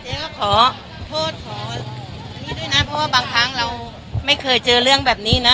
ขอโทษขอนี่ด้วยนะเพราะว่าบางครั้งเราไม่เคยเจอเรื่องแบบนี้นะ